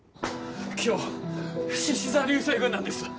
今日しし座流星群なんです。